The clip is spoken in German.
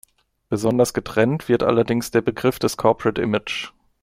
Besonders getrennt wird allerdings der Begriff des Corporate Image.